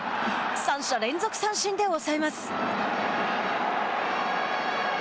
３者連続三振で抑えます。